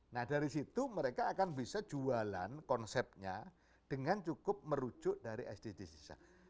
nah dari situ mereka akan bisa jualan konsepnya dengan cukup merujuk dari sdgs desa